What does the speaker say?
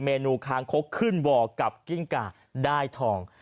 เนูคางคกขึ้นวอร์กับกิ้งกาได้ทอง